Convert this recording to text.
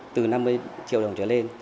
từ năm mươi triệu đồng trở lên